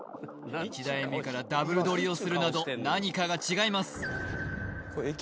１台目からダブル取りをするなど何かが違います